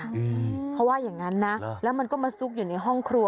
อืมเขาว่าอย่างงั้นนะแล้วมันก็มาซุกอยู่ในห้องครัว